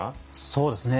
そうですね。